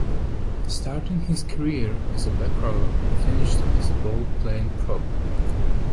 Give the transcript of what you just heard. Starting his career as a backrower, he finished as a ball-playing prop.